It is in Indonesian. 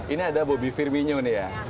ini ada bobby firmino nih ya